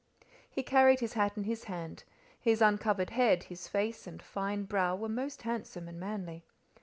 He carried his hat in his hand; his uncovered head, his face and fine brow were most handsome and manly.